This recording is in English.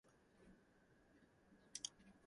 It is the first of its kind in Canada.